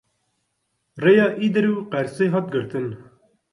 Rêya Îdir û Qersê hat girtin.